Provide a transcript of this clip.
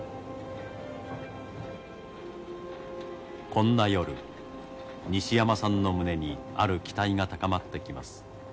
こんな夜西山さんの胸にある期待が高まってきます。